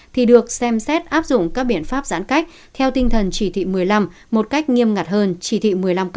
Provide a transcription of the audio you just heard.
thì được xem xét áp dụng các biện pháp giãn cách theo tinh thần chỉ thị một mươi năm một cách nghiêm ngặt hơn chỉ thị một mươi năm